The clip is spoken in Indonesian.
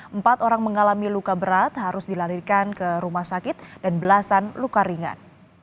empat orang mengalami luka berat harus dilarikan ke rumah sakit dan belasan luka ringan